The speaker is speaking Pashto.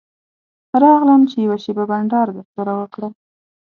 راغلم چې یوه شېبه بنډار درسره وکړم.